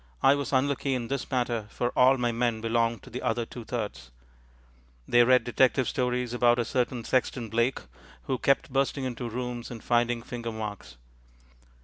I was unlucky in this matter, for all my men belonged to the other two thirds; they read detective stories about a certain Sexton Blake, who kept bursting into rooms and finding finger marks.